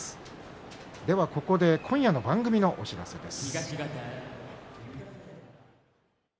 今夜の番組のお知らせです。